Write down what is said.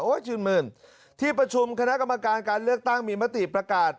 ชื่นมื่นที่ประชุมคณะกรรมการการเลือกตั้งมีมติประกาศ